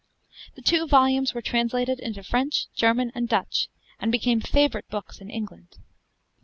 The two volumes were translated into French, German, and Dutch, and became favorite books in England.